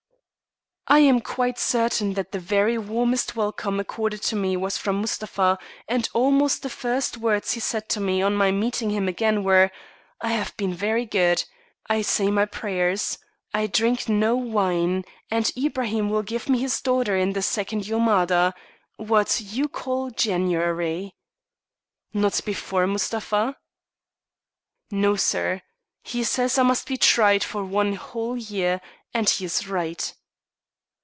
I am quite certain that the very warmest welcome accorded to me was from Mustapha, and almost the first words he said to me on my meeting him again were: "I have been very good. I say my prayers. I drink no wine, and Ibraim will give me his daughter in the second Iomada what you call January." "Not before, Mustapha?" "No, sir; he says I must be tried for one whole year, and he is right."